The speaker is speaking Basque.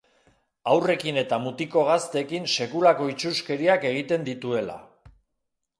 Haurrekin eta mutiko gaztekin sekulako itsuskeriak egiten dituela.